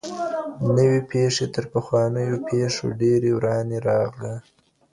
نوې پېښې تر پخوانیو پېښو ډېرې ورانې راغلې.